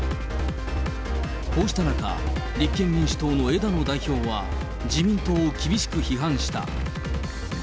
こうした中、立憲民主党の枝野代表は、自民党を厳しく批判した。